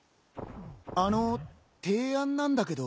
あの提案なんだけど。